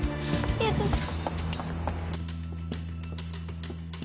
いやちょっと。